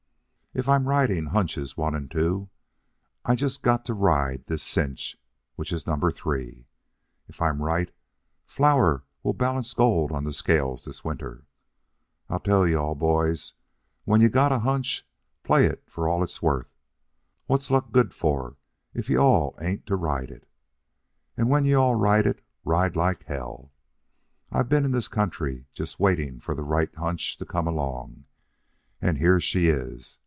If I'm riding hunches one and two, I just got to ride this cinch, which is number three. If I'm right, flour'll balance gold on the scales this winter. I tell you all boys, when you all got a hunch, play it for all it's worth. What's luck good for, if you all ain't to ride it? And when you all ride it, ride like hell. I've been years in this country, just waiting for the right hunch to come along. And here she is.